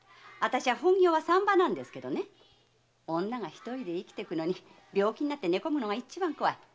本業は産婆ですけど女がひとりで生きていくのに病気で寝込むのが一番怖い。